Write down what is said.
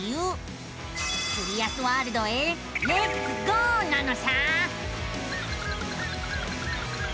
キュリアスワールドへレッツゴーなのさあ。